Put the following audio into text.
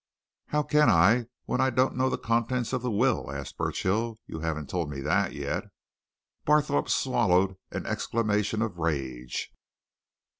"How can I when I don't know the contents of the will?" asked Burchill. "You haven't told me that yet." Barthorpe swallowed an exclamation of rage.